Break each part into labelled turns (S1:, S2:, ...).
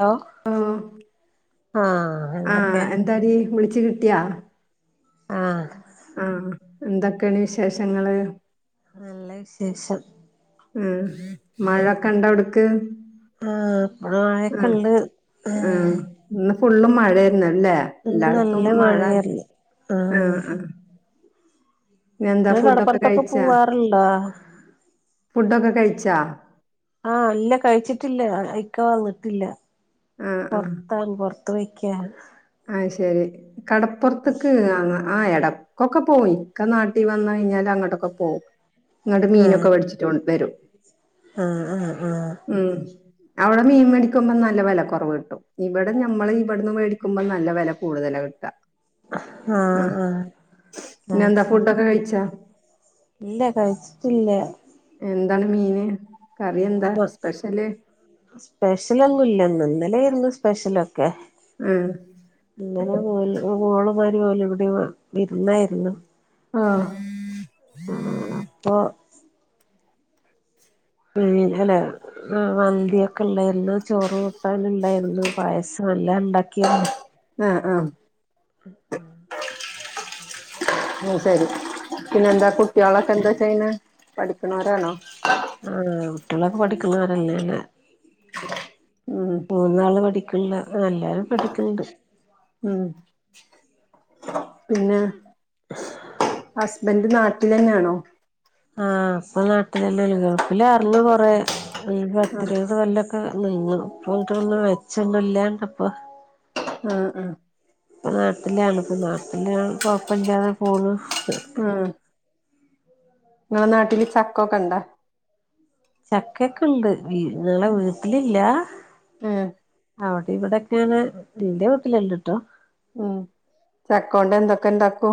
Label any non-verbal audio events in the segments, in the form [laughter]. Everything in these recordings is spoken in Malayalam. S1: ഹലോ
S2: ഓ
S1: ആഹ്
S2: ആ
S1: എന്തൊക്കെ
S2: എന്താല വിളിച്ചു കിട്ടിയാ
S1: ആ
S2: ആ എന്തൊക്കെയാണ് വിശേഷങ്ങള്
S1: നല്ല വിശേഷം
S2: ഉം മഴൊക്കെ ഇണ്ടവിടുക്ക്
S1: ആ അപ്പട ആഴൊക്ക ഉണ്ട് ആ
S2: ഫുള്ള് മഴയിരുന്നുല്ലേ എല്ലായിടത്തും
S1: നല്ല
S2: മഴ
S1: മഴയായിരുന്നു
S2: ആ
S1: ആഹ്
S2: ആ പി എന്താ
S1: ഇങ്ങള്
S2: ഫുഡൊക്കെ
S1: കടപ്പുറത്തൊക്കെ
S2: കഴിച്ചാ
S1: പോവാറുണ്ടോ
S2: ഫുഡൊക്കെ കഴിച്ചാ
S1: ആ അല്ല കഴിച്ചിട്ടില്ല അഴക്കന്നിട്ടില്ല പറത്താൻ പറത്ത ത്തയ്ക്ക
S2: ആ ശരി കടപ്പുറത്തക്ക് കാന്ന ആ എടയ്ക്കൊക്കെ പോകവും ഇക്കെ നാട്ടിൽ വന്ന കഴിഞ്ഞാൽ അങ്ങോട്ടൊക്കെ പോകവും നിങ്ങട്ട മീനൊക്കെ വടിച്ചിട്ട് വരും
S1: ആ ഉ ഉ
S2: ഉം അവിടെ മീൻ മേടിക്കുമ്പോ നല്ല വില കുറവ കിട്ടും ഇവിടെ നമ്മ ഇവിടുന്ന് ക്കുമ്പോ നല്ല വില കൂടുതലാ കിട്ടാ
S1: ആഹ്
S2: ആഹ
S1: ആഹ്
S2: പിന്നെ
S1: അത്
S2: എന്താ
S1: ശരി
S2: ഫുഡൊക്കെ കഴിച്ചാ
S1: ഇല്ല കഴിച്ചിട്ടില്ലേ
S2: എന്താണ് മീന് കറി എന്താ
S1: ആ
S2: സ്പെഷ്യല്
S1: സ്പെഷ്യലൊന്നുംല്ലന്നലായിരുന്നു സ്പെഷ്യല
S2: ആ
S1: ഇങ്ങനെ പോ പലെ ഇവിടെ വിരുന്നായിരുന്നു
S2: ആ
S1: അപ്പൊ ഉ അല്ലേ മന്തിയെക്കെ ഉള്ളന്ന് ചോറ് കൂട്ടാന ഇണ്ടായിരുന്നു പായസം നല്ല ഉണ്ടാക്കിരുന്നു
S2: ആ ആ
S1: ആ
S2: ഉ ശരി പിന്നെന്താ കുട്ടികളെ ഇ എന്താ വെച്ചന്ന് പഠിക്കുന്നവരാണോ
S1: ആ കുട്ടികളൊക്കെ പഠിക്കണവരല്ലേല്ലേ
S2: ഉം
S1: മൂന്നാള് പഠിക്ക പഠിക്കണ്ട എല്ലാരും പഠിക്കണ്ട്
S2: ഉം പിന്നെ എന്ത് നാട്ടിൽ തന്നെയാണോ
S1: ആ ഇപ്പൊ നാട്ടിലല്ല ഗൾഫിലർന്ന് കൊറെേ
S2: ആ
S1: പത്തിരേത് കൊല്ലൊക്കെ നിങ്ങപ്പണ്ട ഒന്നും വെച്ചൊന്നും ഇല്ലാണ്ടപ്പൊ
S2: ആ ആ
S1: നാട്ടിലാണ്പ്പൊ നാട്ടില് കൊഴപ്പില്ലാതെ പോണ്
S2: ആ. ങ്ങളെ നാട്ടില് ചക്കൊക്കെണ്ടാ?
S1: ചക്കൊക്കെണ്ട് വീ ള്ള വീട്ട്ലില്ല
S2: ഉം
S1: അവട ഇവിടെക്കേണ് ന്റെ വീട്ടില്ണ്ട്ട്ടോ.
S2: ഉം ചക്കോണ്ട് എന്തൊക്കെണ്ടാക്കൂ?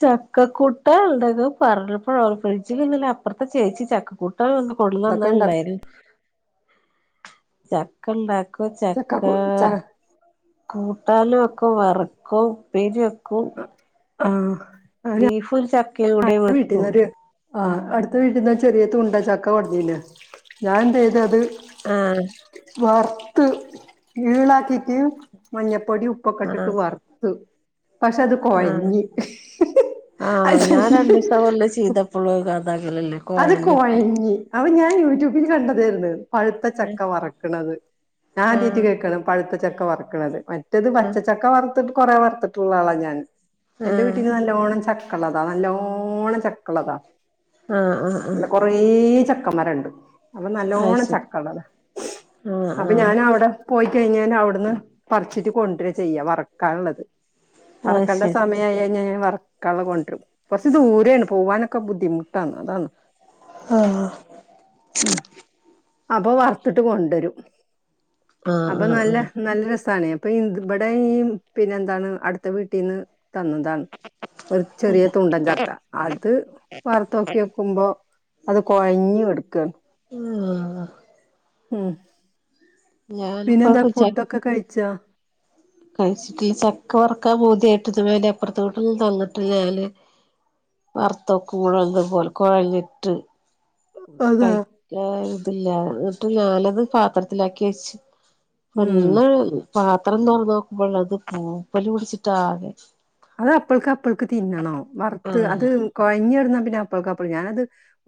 S1: ചക്കക്കൂട്ടാ [unintelligible] പറഞ്ഞപ്പോഴ ഫ്രിഡ്ജില് ഇന്നെലെ അപ്പൊർത്തെ ചേച്ചി ചക്കക്കൂ [inaudible]
S2: എന്തൊക്കെ ഇണ്ടാക്കും
S1: കൊട്ന്നന്നെണ്ടായിന് ചക്കണ്ടാ ചക്ക
S2: ചക്കക്കു ച
S1: കൂട്ടാലും ഒക്കെ വറക്കും ഉപ്പേരി വെ കൂ
S2: ആ.
S1: ബീഫും ചക്കയ്ലൂടെ വെക്കൂ
S2: ആ അടുത്ത വീട്ടന്നാ ചെറിയ തുണ്ട ചക്ക കൊടന്നീന് ഞാന്തെയ്തത്
S1: ആ.
S2: വർത്ത് ഈളാക്കിക്ക് മഞ്ഞപ്പൊടി ഉപ്പക്കെട്ടിട്ട് വർത്ത്
S1: ആ ആ
S2: അത്
S1: ഞാൻ
S2: ശരിയായി
S1: രണ്ട ഇല്ല ചെയ്തപ്പോളോ കഥാകലല്ലേ കോഴഞ്ഞിട്ട്
S2: അവ ഞാൻ യൂട്യൂബില് കണ്ടതേർന്ന് പഴുത്ത ചക്ക വറക്കണത്
S1: ആഹ്
S2: ഞാദീട്ട്
S1: ആഹ്
S2: കേക്കാണ് പഴുത്ത ചക്ക വറക്കണത് മ മറ്റത് പച്ചച്ചക്ക വറുത്തിട്ട് കൊറെ വറത്ത്ട്ട്ള്ള ആളാ ഞാൻ എന്റെ
S1: ആഹ്
S2: വീട്ടിന് നല്ലോണം ച ക്കള്ളതാ നല്ലോണം ചക്കള്ളതാ
S1: ആഹ് ആഹ് ആഹ്
S2: നല്ല കൊറേ ച മരണ്ട് അപ്പൊ
S1: അത്
S2: നല്ലോണം
S1: ശരി
S2: ചക്കള്ളതാ
S1: ആഹ്
S2: അപ്പൊ
S1: ആഹ്
S2: ഞാനവ്ടെ പോയി കഴിഞ്ഞാൻ അവടന്ന് പറച്ചിട്ട് കൊണ്ടര ചെയ്യാ വറക്കാൻള്ളത്.
S1: അത്
S2: വറക്കേണ്ട
S1: ശരി
S2: സമയേയാ ഞേ വറക്കാള്ളെ കൊണ്ടരും. ദൂരെണ് പോവ്വാനൊക്കെ ബുദ്ധിമുട്ടാണ് അതാണ്
S1: ആ.
S2: ഉം അപ്പൊ വറത്തിട്ട് കൊണ്ടുരും,
S1: ആഹ്
S2: അപ്പൊ
S1: ആഹ്
S2: നല്ല
S1: ആഹ്
S2: നല്ല രസ ണ് അപ്പൊ ഇ ഇവടെ ഈ പിന്നന്താണ് അടുത്ത വീട്ടീന്ന് തന്നതാണ് ഒരു ചെറിയ തുണ്ടൻച അത്, വറുത്തോക്കി വെക്കുമ്പോ അത് കൊഴഞ്ഞ് കെടുക്കാണ്.
S1: ഹാ
S2: ഉം
S1: ഞാനിപ്പോ
S2: പിന്നെന്താ ഫുഡ്ഡൊക്കെ കഴിച്ചാ?
S1: കഴിച്ചിട്ട്ല്ല ചക്ക വറക്കാൻ പൂത്യായിട്ട് ഇതുവെരേ അപ്പൊറത്ത വീട്ടിന്ന് തന്ന്ട്ടില്ല ഞാല് വറത്തൊ കൂഴാ കൊഴഞ്ഞിറ്റ്
S2: അതാ
S1: കഴിക്കാതില്ല ഞാൻ അത് പാത്രത്തിൽ ആക്കി വെച്ച്
S2: ഉം
S1: വന്ന് പാത്രം തൊറന്നോക്കുമ്പോള്ളത് പൂപ്പല് പിടിച്ച്ട്ടാകെ
S2: അത് അപ്പൾക്ക് അപ്പൾക്ക് തിന്നണോ വറുത്ത്
S1: ആഹ്
S2: അത് കൊഴഞ്ഞെടുന്നാ പിന്നെ അപ്പൾക്ക് അപ്പൾ ഞാനത്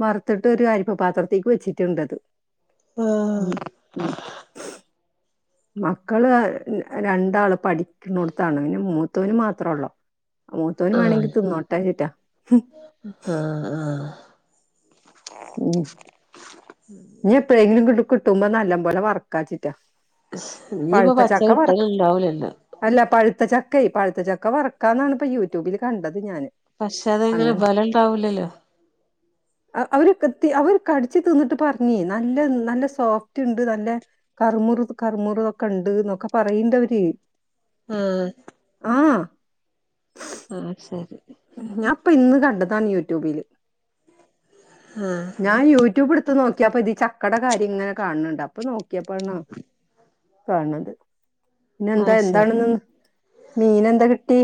S2: വറത്ത്ട്ട് ഒരു അരിപ്പ പാത്രത്തേക്ക് വെച്ചിട്ട്ണ്ടത്
S1: ആഹ്
S2: ഉം ഉം മക്കള് രണ്ടാള് പഠിക്ക്ണോട്ത്താണ് നീ മൂത്തേന് മാത്രോള്ളോ മൂത്തോന് വാണങ്കി
S1: ആഹ്
S2: തിന്നോട്ടെച്ച്ട്ടാ ഹ്ഹ്
S1: ആഹ് ആഹ്
S2: ഉം ഞ്ഞി എപ്പഴെങ്കിലു കിട്ടുമ്പോ നല്ലം പോലെ വർക്കാച്ച്ട്ടാ.
S1: ഇനിയിപ്പോ
S2: പഴുത്ത
S1: പച്ച
S2: ചക്ക വറക്ക
S1: കിട്ടല് ഉണ്ടാവൂലല്ലോ
S2: അല്ല പഴു ത്ത ചക്കേ പഴ്ത്ത ചക്ക വറക്കാന്നാണ് ഇപ്പ യൂട്യൂബില് കണ്ടത് ഞാന്.
S1: പക്ഷെ അതെങ്ങനെ ബലണ്ടാവൂലല്ലോ.
S2: ആ അവര് അവർ കടിച്ച് തിന്നിട്ട് പറഞ്ഞ് നല്ല നല്ല സോഫ്റ്റ്ണ്ട് നല്ല കറുമുറു കറു മുറൊക്കെണ്ട്ന്നൊക്കെ പറയ്ണ്ടവര്
S1: ആ
S2: ആ
S1: ആ ശെരി.
S2: ഞാൻപ്പൊ ഇന്ന് കണ്ടതാണ് യൂട്യൂബില്.
S1: ആഹ്
S2: ഞാൻ യൂടൂബ് ഇട്ത്ത് നോക്കിയാപ്പൊ ഇത് ചക്കടെ കാര്യം ഇങ്ങനെ കാണുന്നുണ്ട് അപ്പൊ നോക്കി യപ്പോ ആണ് കാണത്. പിന്നെ എന്താ
S1: ആഹ് ശരി
S2: എന്താണിന്ന് മീനെന്താ കിട്ടി?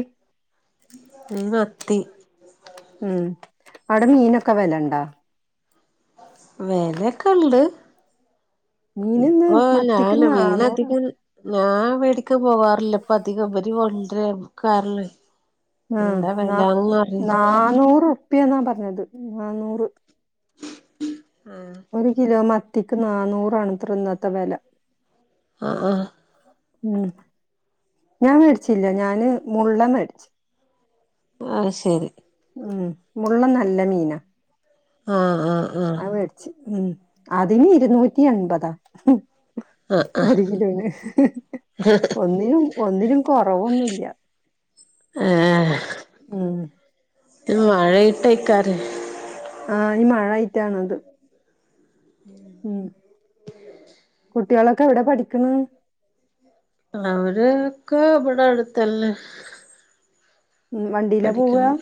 S1: ത്തി.
S2: മം അവടെ മീനൊക്കെ വെലണ്ടോ?
S1: വെലൊക്കെണ്ട്.
S2: മീനിന്ന്
S1: ഇപ്പൊ
S2: മത്തിക്ക്
S1: ഞാൻ
S2: നാന്നൂറ്
S1: മീനധികം. ഞാൻ വേടിക്ക പോവാറില്ല ഇപ്പ അധികംപര് കൊണ്ട്രാ കാരം
S2: ആ ന്നാ നന്നൂറ്പ്പ്യന്നാ പറഞ്ഞത് നന്നൂറ്. ഒരു കിലോ മത്തിക്ക് നന്നൂറാണ് ത്രേ ഇന്നത്തെ വെല
S1: ആ ഹാ
S2: മം ഞാൻ വെട്ച്ചില്ല ഞാന് മുള്ളൻ വേ ടിച്ചു.
S1: ആ ശെരി.
S2: മം മുള്ളൻ നല്ല മീനാ.
S1: ആ ഹാ ആ
S2: മം അതിന് ഇരുന്നൂറ്റി എൺപതാ ഒര് കിലോന്. ഒന്നിനും ഒന്നിനും കൊറവൊന്നില്ല്യ.
S1: ഏ ഹെ
S2: ഉം
S1: മഴയിട്ടയ്ക്കാരിം.
S2: ആ ഈ മഴായിട്ടാണിത്. മം കുട്ടികളൊക്കെ എവിടെ പഠിക്ക്ണ്.
S1: അവരൊക്കെ ഇവടെ അടുത്തന്നെ.
S2: ഉം വണ്ടിയിലാ പോവ
S1: പഠിക്ണത്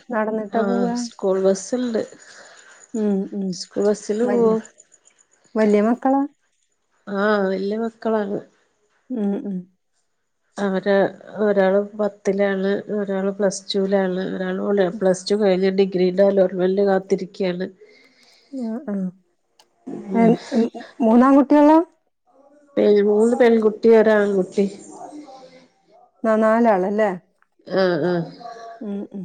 S1: ആ
S2: നടന്നിട്ടാ പോവ
S1: സ്കൂൾ ബസ്സുണ്ട്.
S2: ഉം ഉം
S1: സ്കൂൾ ബസ്സില്
S2: വല്യ
S1: പോവും
S2: വല്ല്യാ മക്കളാ?
S1: ആ വല്ല്യാ മക്കളാണ്.
S2: മം മം
S1: അവര് ഒരാള് പത്തിലാണ് ഒരാള് പ്ലസ് ടൂ ലാണ് ഒരാൾ [unintelligible] പ്ലസ് ചു കഴിഞ് ഡിഗ്രീന്റെ അലോട്മെന്റിന് കാത്തിരിക്ക്യാണ്.
S2: ഉം ആ അൽ അൽ മൂന്നാംകുട്ടിയാള്ള?
S1: പേ മൂന്ന് പെൺകുട്ടി ഒരാൺകുട്ടി.
S2: ആ നാലാളല്ലേ?
S1: ആ ആഹ്
S2: മം മം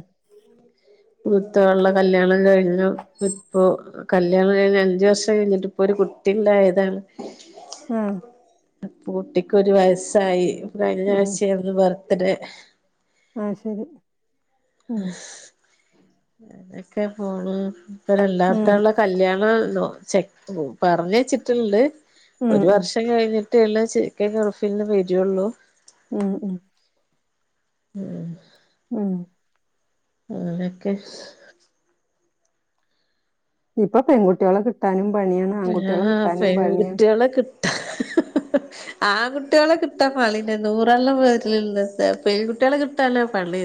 S1: മൂത്തോളെ കല്യാണം കഴിഞ്ഞു ഇപ്പൊ കല്യാണം കഴിഞ്ഞ് അഞ്ച് വർഷം കഴിഞ്ഞിട്ട് ഇപ്പോരു കുട്ടിഇണ്ടായതാണ്.
S2: മം
S1: പ്പോ കുട്ടിക്കൊരു വയസ്സയി കഴിഞ്ഞ ആഴ്ചായിരുന്നു ബർത്ത്ഡേ.
S2: ആ ശെരി.
S1: എക്കെ പോണ് ഇപ്പൊ
S2: ഉം
S1: രണ്ടാതൊള്ളെ കല്യാണം നോ ചെ പറഞ് വെച്ചിട്ടുണ്ട്.
S2: ഉം
S1: ഒരു
S2: ഉം
S1: വർഷം കഴിഞ്ഞിട്ടേള്ളൂ ശെരിക് ഗെൽഫിന്ന് വേരൊള്ളു
S2: മം മം
S1: മ്മ്ഹ്
S2: ഉം
S1: അങ്ങനെയൊക്കെ.
S2: ഇപ്പൊ പെൺകുട്ടികളെ കിട്ടാനും പണിയാണ് ആൺകുട്ടികളെ
S1: അല്ലാ
S2: കിട്ടാനും പണിയാണ്.
S1: പെകട്ടികളെ കിട്ടാ ആ ങ്കുട്ടികളെ കിട്ടാൻ പളില്ല നൂറണ്ണം വീട്ടിൽ ഇണ്ട് പെങ്കുട്ട്യേ ളെ കിട്ടാൻ ആണ് പളി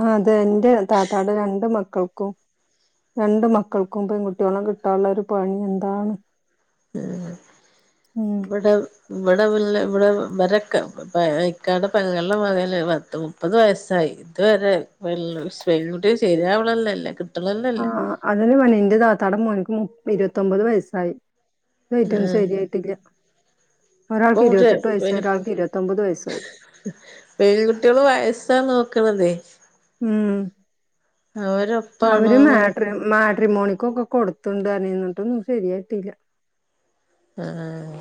S2: ആ അതെ എന്റെ താത്താടെ രണ്ട് മക്കൾക്കും രണ്ടു മക്കള്ക്കും പെൺ കുട്ട്യേളെ കിട്ടാനുള്ള ഒരു പണി എന്താണ്
S1: ഉം
S2: ഉം
S1: ഇവിടെ ഇവിടെ [unintelligible] ഇവിടെ ഇവരെക്കെ ഇക്കാടെ പെങ്ങള്ടെ മകൻ പത്ത് മുപ്പത് വയസ്സായി ഇതുവരെ [unintelligible] ശരിയാവാണല്ലല്ലേ
S2: ആ അതേ ടി പെണ്ണെ ഇന്റെ താത്താടെ മോനക്ക് മുപ് ഇരുപത്തൊമ്പത് വയസ്സായി [unintelligible] ശരിയായിട്ടില്ല ഒരാൾക്ക്
S1: ഓഡ്ര്
S2: ഇരുപത്തെട്ട്
S1: വെ
S2: വയസ്സ് ഒരാൾക്ക് ഇരുപത്തൊമ്പത് വയസ്സായി
S1: പെൺകുട്ടികള് വയസ്സാ നോ ക്കണതെ
S2: ഉം അവര്
S1: അവരൊപ്പാണോന്ന്
S2: മാട്രി മാ റ്റ്രിമോണിക്കൊക്കെ കൊടുത്‌ണ്ട് പറഞ്ഞിനും എന്നിട്ടൊന്നും ശരിയായിട്ടില്ല
S1: ആഹ്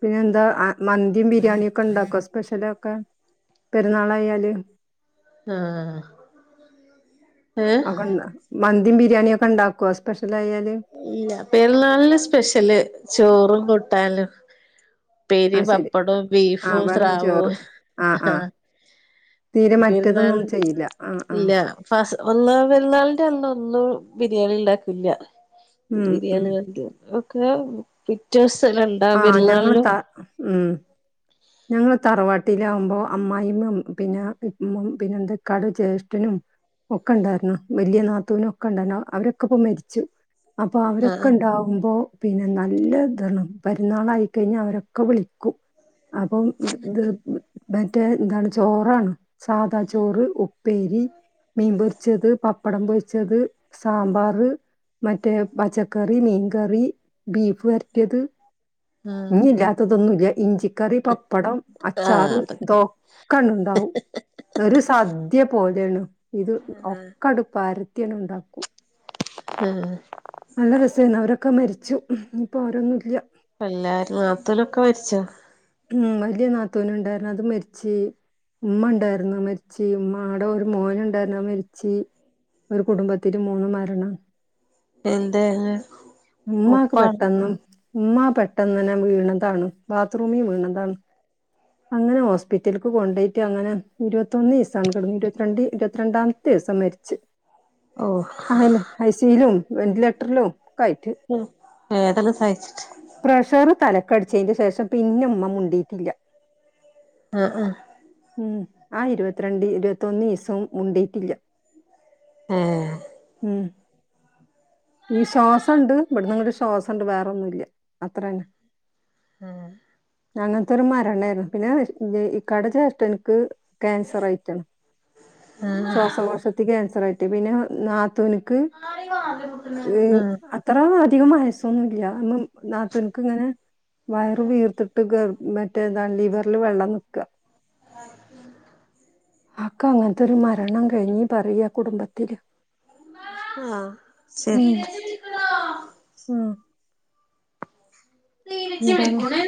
S2: പിന്നെ എന്താ മന്തിയും ബിരിയാണിയ ഒക്കെ ഇണ്ടാക്കോ സ്പെഷ്യലൊക്കെ പെരുന്നാളായാല്
S1: ആഹ് ഏഹ്
S2: അക്കെ മന്തിം ബിരിയാണിയ ഒക്കെ ഉണ്ടാക്കുവ സ്പെ
S1: ഇല്ല പെരുന്നാളില് സ്പെഷ്യല് ചോറും കുട്ടാലും പേരി
S2: ആഹ് ശരി
S1: പപ്പടവും
S2: ആഹ്
S1: ബീഫും
S2: വെറും ചോറ്
S1: സ്രാവവും
S2: ആഹ്
S1: ആഹ
S2: ആഹ് തീരെ
S1: പെരുന്നാൾ
S2: മറ്റേതൊന്നും ചെയ്യില്ല ആഹ്
S1: ഇല്ല
S2: ആഹ്
S1: ഫസ്സ് ഒന്നാം പെരുന്നാളിന്റെ അന്ന് ഒന്നും ബിരിയാണി ഉണ്ടാക്കില്ല
S2: ഉം ഉം
S1: ബിരിയാണി മന്തിയും ഒക്കെ പിറ്റെ സ് ത്തലണ്ട പെരുന്നാളിന്
S2: മ് ഞങ്ങള് തറവാട്ടിലാകുമ്പോ അമ്മായിമ്മയും പിന്നെ മം പിന്നെ എൻ്റെ ഇക്കാടെ ജ്യേഷ്ഠനും ഒക്കെ ഉണ്ടായിരുന്നു വലിയ നാത്തൂനും ഒക്കെ ഉണ്ടായിരുന്നു അവരൊക്കെ ഇപ്പൊ മരിച്ചു അപ്പൊ അവരൊക്കെ
S1: ആഹ്
S2: ഉണ്ടാവുമ്പോ പിന്നെ നല്ല ദണ്ണം പരുന്നാളായിക്കഴിഞ്ഞ അവരൊക്കെ വിളിക്കും അപ്പം [inaudible] മറ്റേ എന്താണ് ചോറാണ് സാദാ ചോറ് ഉപ്പേരി മീൻ പച്ചത് പപ്പടം പൊയിച്ചത് സാമ്പാറ് മറ്റേ പച്ചക്കറി മീൻകറി ബീഫ് വരറ്റിയത്
S1: ആഹ്
S2: ഇനില്ലാത്തതൊന്നുമില്ല ഇഞ്ചി കറി പപ്പടം
S1: ആഹ്
S2: അച്ചാറ്
S1: അതൊക്കെ
S2: ദൊക്കണ്ടാവും ഒരു സദ്യ പോല തെണു ഇത് ഒക്ക അടുപ്പാരത്യണ് ഇ ണ്ടാക്കും
S1: ആഹ്
S2: നല്ല രസരുന്നു അവരൊക്കെ മരിച്ചു ഇപ്പൊ അവരൊന്നുംല്ല
S1: എല്ലാരും നത്തൂലൊക്കെ മരിച്ചോ
S2: ഉം വലിയ നാത്തൂന ഉണ്ടായിരുന്നു അത് മരിച്ച് ഉമ്മ ഉണ്ടായിരുന്ന മരിച്ച് ഉമ്ടെ ഒരു മോന ഉണ്ടായിരുന്നു മരിച് ഒരു കുടുംബത്തില് മൂന്നു മരണം
S1: എന്തെ?
S2: ഉമ്മാക്ക് പെട്ടെന്ന് ഉമ്മാ പെട്ടെന്നെന്നെ വീണതാണ് ബാത്റൂമിൽ വീണതാണ് അങ്ങനെ ഹോസ്പിറ്റലക്ക് കൊണ്ടയിട്ട് അങ്ങനെ ഇരുപതോന്ന് ദിവസാണ് കിടന്നത് ഇരുപത്തിരണ്ട് ഇരുപത്തി രണ്ടാമത്തെ ദിവസം മരിച്
S1: ഓ
S2: ഐസിയിലും വെന്റിലേറ്ററിലും [unintelligible]
S1: വേദന സഹിച്ചിട്ട്
S2: പ്രഷർ തൽ കടിച്ചതിന്റെ ശേഷം പിന്ന ഉമ്മ മുണ്ടീട്ടില്ല
S1: ആ ആഹ്
S2: ഉം ആ ഇരുപത്തിരണ്ട് ഇരുപത്തോന്ന് ദിസും ഉണ്ടീട്ടില്ല
S1: ഹേ
S2: ഈ സൊ ശ്സുണ്ട് ഇവിടന്ന് ഇങ്ങ ശ്വാ
S1: ഉം
S2: അങ്ങനത്തെൊ ഒരു മരണ്ണായിരുന്നു പിന്നെ ഇക്കാടെ ചേഷഡാൻക്ക് ക്യാൻസർയിട്ടണം ശ്വാസകോശത്തി ക്യാൻസർായിട്ട് പിന്നെ നാത്തുനും
S1: ആരാ ഈ വാതിൽന് മുണ്ടുന്നെ
S2: അത്ര അധികം വായസൊന്നുമ ഇല്ല നമ്മ നാത്തനക്ക് ഇങ്ങനെ വയർ വീർത്തിട്ട് ഗ മറ്റേതാണ് ലിവറിൽ വെള്ളം നക്കുക ആക്ക അങ്ങനത്തെൊരു മരണം കഴിഞ്ഞി പറയ കുടുംബത്തില്
S1: ആഹ ശേ
S2: മ്മ്ഹ്
S1: തിരിച്ച് വിളിക്കുണു